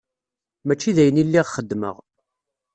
Mačči d ayen i lliɣ xeddmeɣ.